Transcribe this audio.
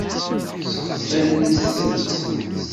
Sseɣtant-tt.